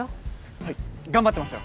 はい頑張ってますよ